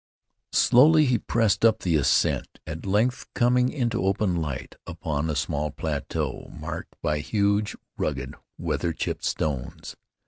Slowly he pressed on up the ascent, at length coming into open light upon a small plateau marked by huge, rugged, weather chipped stones.